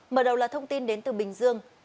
mở đầu là thông tin đến từ bình dương